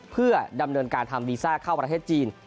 เพื่อดำเนินการทำวีซ่าเข้าประเทศจีน